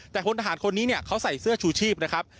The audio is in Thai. แต่พลทหารคนนี้เนี่ยเขาใส่เสื้อชูชีพนะครับ